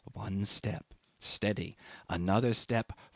One step. Steady. Another step.